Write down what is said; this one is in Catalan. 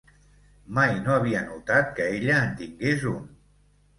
Mai no havia notat que ella en tingués un.